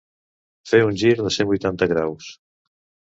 Fer un gir de cent vuitanta graus.